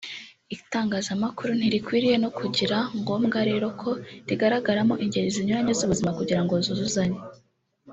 Itangazamakuru ntirikwiye no kugira ngombwa rero ko rigaragaramo ingeri zinyuranye z’ubuzima kugira ngo zuzuzanye